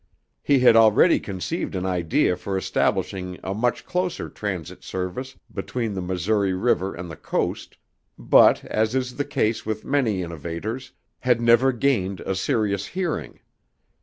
He had already conceived an idea for establishing a much closer transit service between the Missouri river and the Coast, but, as is the case with many innovators, had never gained a serious hearing.